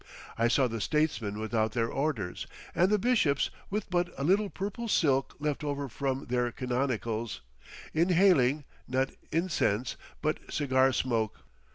I saw the statesmen without their orders and the bishops with but a little purple silk left over from their canonicals, inhaling, not incensen but cigar smoke.